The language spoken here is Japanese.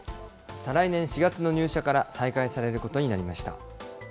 再来年４月の入社から再開されることになりました。